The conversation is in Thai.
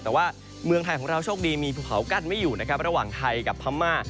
แต่ว่าเมืองไทยของเราโชคดีมีภูเขากั้นไม่อยู่นะครับระหว่างไทยกับพม่า